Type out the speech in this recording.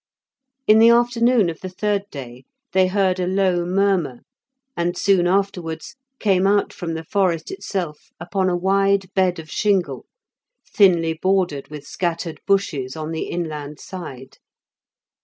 In the afternoon of the third day they heard a low murmur, and soon afterwards came out from the forest itself upon a wide bed of shingle, thinly bordered with scattered bushes on the inland side.